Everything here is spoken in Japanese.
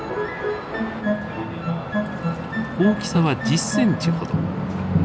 大きさは１０センチほど。